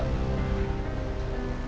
bukannya di rumahnya om irfan